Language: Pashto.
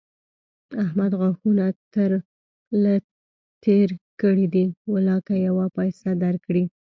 احمد غاښونه تر له تېر کړي دي؛ ولاکه يوه پيسه در کړي.